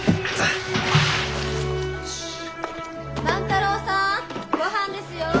・万太郎さんごはんですよ！